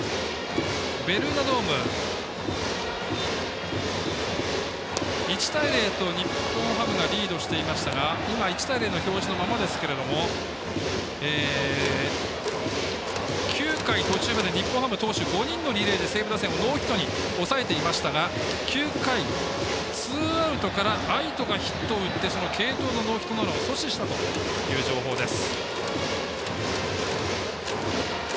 ベルーナドーム１対０と、日本ハムがリードしていましたが今、１対０の表示のままですけども９回途中まで日本ハム投手５人のリレーで西武打線をノーヒットに抑えていましたが９回、ツーアウトから愛斗がヒットを打ってその継投のノーヒットノーランを阻止したという情報です。